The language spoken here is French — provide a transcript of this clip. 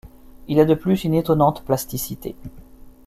Il a de plus une étonnante plasticité.